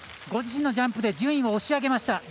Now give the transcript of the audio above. ご自身のジャンプで順位を押し上げました。